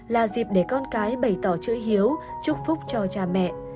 là dịp để con cái bày tỏ chữ hiếu chúc phúc cho cha mẹ